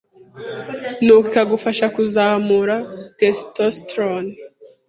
nuko ikagufasha kuzamura testosterone